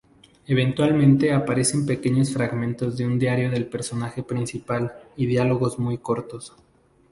Eventualmente aparecen pequeños fragmentos de un diario del personaje principal y diálogos muy cortos.